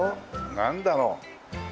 なんだろう？